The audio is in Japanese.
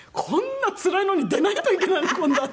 こんなつらいのに出ないといけないの？